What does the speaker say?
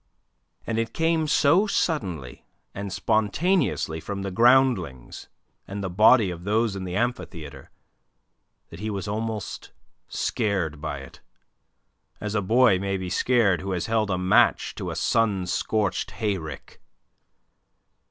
And it came so suddenly and spontaneously from the groundlings and the body of those in the amphitheatre that he was almost scared by it as a boy may be scared who has held a match to a sun scorched hayrick.